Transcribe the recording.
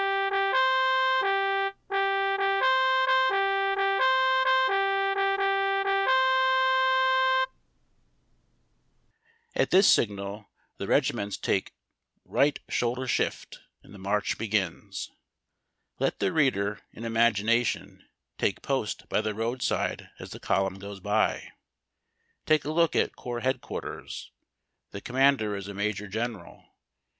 t:: :t=: H 1 1 At this signal tlie reg^iments take " ricrht shoulder shift," and the march begins. Let the reader, in imagination, take post by the roadside as the column goes by. Take a look at corps headquarters. The commander is a major general.